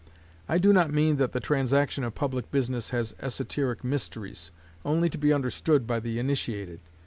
I do not mean that the transaction of public business has esoteric mysteries, only to be understood by the initiated.